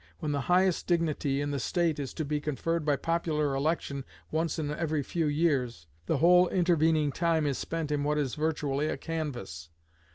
When the highest dignity in the state is to be conferred by popular election once in every few years, the whole intervening time is spent in what is virtually a canvass.